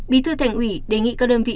bí thư thành ủy đề nghị các đơn vị